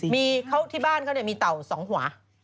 ที่บ้านเขาเนี่ยมีเต่า๒หัว